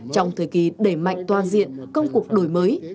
trong thời kỳ đẩy mạnh toàn diện công cuộc đổi mới